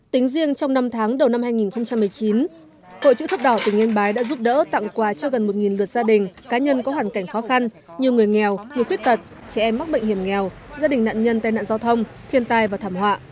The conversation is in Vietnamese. tính riêng trong năm tháng đầu năm hai nghìn một mươi chín hội chữ thấp đỏ tỉnh yên bái đã giúp đỡ tặng quà cho gần một lượt gia đình cá nhân có hoàn cảnh khó khăn như người nghèo người khuyết tật trẻ em mắc bệnh hiểm nghèo gia đình nạn nhân tai nạn giao thông thiên tai và thảm họa